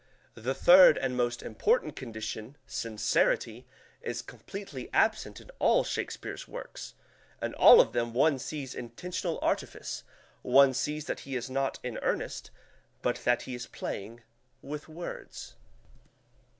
The third and most important condition, sincerity, is completely absent in all Shakespeare's works. In all of them one sees intentional artifice; one sees that he is not in earnest, but that he is playing with words.